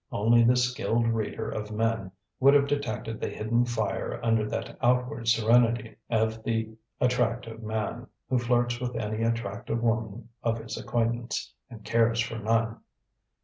Only the skilled reader of men would have detected the hidden fire under that outward serenity of the attractive man, who flirts with any attractive woman of his acquaintance, and cares for none.